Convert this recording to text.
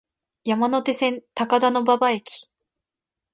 山手線、高田馬場駅